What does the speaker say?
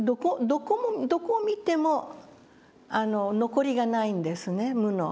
どこを見ても残りがないんですね無の。